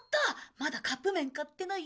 まだカップ麺買ってない。